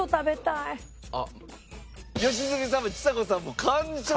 良純さんもちさ子さんも完食！